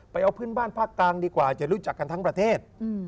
เอาเพื่อนบ้านภาคกลางดีกว่าจะรู้จักกันทั้งประเทศ